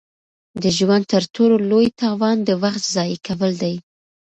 د ژوند تر ټولو لوی تاوان د وخت ضایع کول دي.